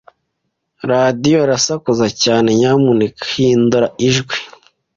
Radiyo irasakuza cyane. Nyamuneka hindura ijwi.